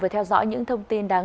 có những khó khăn